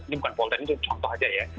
ini bukan polder ini contoh aja ya